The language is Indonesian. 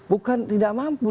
bukan tidak mampu